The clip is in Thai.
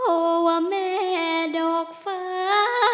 โอ้ว้าแม่ดอกฟ้า